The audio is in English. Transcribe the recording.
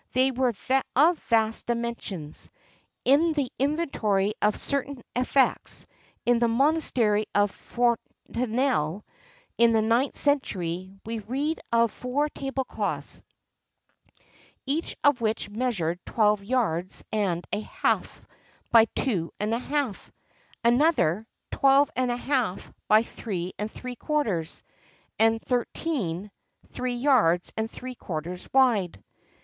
They were of vast dimensions. In the inventory of certain effects in the monastery of Fontenelle, in the 9th century, we read of four table cloths, each of which measured twelve yards and a half by two and a half; another, twelve and a half by three and three quarters; and thirteen, three yards and three quarters wide.